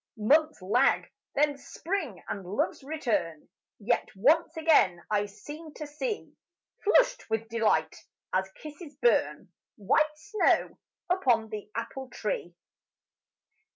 Months lag, then spring and love's return Yet once again I seem to see, Flushed with delight, as kisses burn, White snow upon the apple tree.